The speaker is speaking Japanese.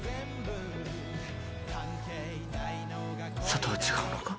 佐都は違うのか？